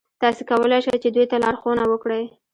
تاسې کولای شئ چې دوی ته لارښوونه وکړئ.